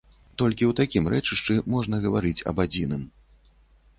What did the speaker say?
Толькі ў такім рэчышчы можна гаварыць аб адзіным.